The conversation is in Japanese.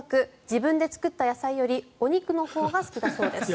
自分で作った野菜よりお肉のほうが好きだそうです。